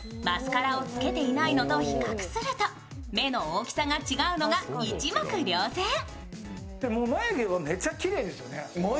マスカラをつけていないのと比較すると目の大きさが違うのが一目瞭然。